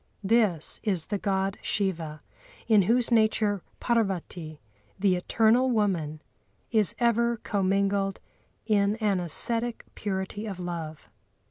This is the God Shiva, in whose nature Parvati, the eternal Woman, is ever commingled in an ascetic purity of love.